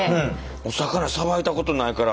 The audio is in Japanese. お魚さばいたことないから。